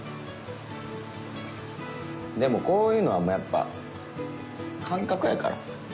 でもこういうのはもうやっぱ感覚やから。